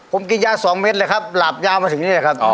ผมกินยา๒เม็ดเลยครับหลาบยาวมาถึงนี่แหละครับ